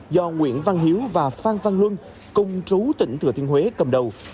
do nguyễn văn hiếu và phan phan luân công trú tỉnh thừa thiên huế cầm đầu